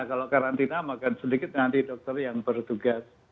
kalau karantina makan sedikit nanti dokter yang bertugas